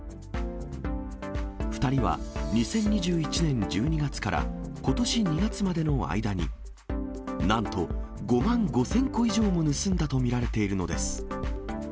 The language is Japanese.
２人は２０２１年１２月からことし２月までの間に、なんと５万５０００個以上も盗んだと見られているのです。